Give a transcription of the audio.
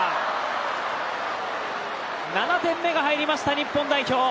７点目が入りました日本代表。